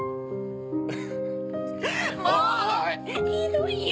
もうひどいよ。